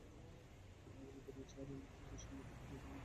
আমার মতো নিশ্চয়ই আরও অনেকে আছে, সাংবাদিক হলে ওদের কথা লিখতে পারব।